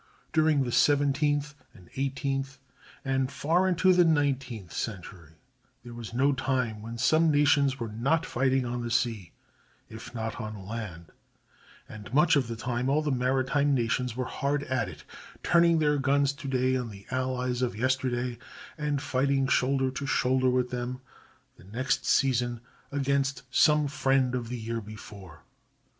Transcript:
During the seventeenth and eighteenth and far into the nineteenth century, there was no time when some nations were not fighting on the sea if not on land; and much of the time all the maritime nations were hard at it, turning their guns to day on the allies of yesterday, and fighting shoulder to shoulder with them the next season against some friend of the year before.